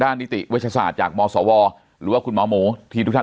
นิติเวชศาสตร์จากมศวหรือว่าคุณหมอหมูที่ทุกท่าน